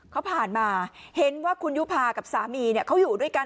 เขาผ่านมาเห็นว่าคุณยุภากับสามีเขาอยู่ด้วยกัน